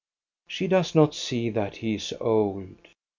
She does not see that he is old.